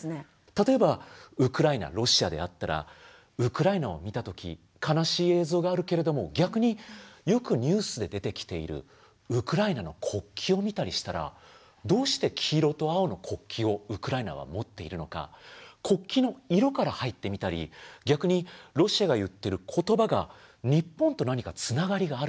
例えばウクライナロシアであったらウクライナを見た時悲しい映像があるけれども逆によくニュースで出てきているウクライナの国旗を見たりしたらどうして黄色と青の国旗をウクライナは持っているのか国旗の色から入ってみたり逆にロシアが言ってる言葉が日本と何かつながりがあるのか。